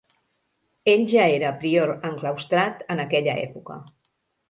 Ell ja era prior enclaustrat en aquella època.